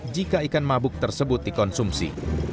jika ikan mabuk tersebut dikonsumsi